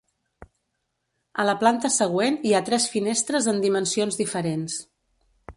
A la planta següent hi ha tres finestres en dimensions diferents.